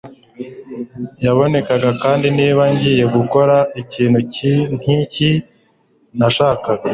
yaboneka kandi niba ngiye gukora ikintu nkiki nashakaga